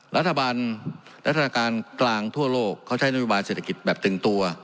รัฐบาลรัฐนาการกลางทั่วโลกเขาใช้นโยบายเศรษฐกิจแบบตึงตัว